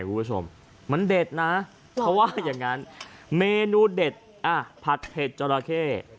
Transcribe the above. คุณผู้ชมมันเด็ดนะเขาว่าอย่างนั้นเมนูเด็ดอ่ะผัดเผ็ดจราเข้